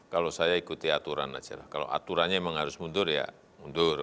kalau saya ikuti aturan aja lah kalau aturannya memang harus mundur ya mundur